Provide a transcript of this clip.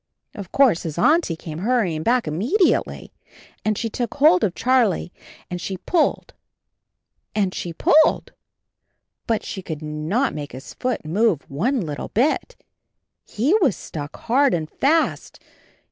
Of course his Auntie came hurrying back immediately, and she took hold of Charlie and she pulled and she pulled, but she could not make his foot move one little bit — he was stuck hard and fast.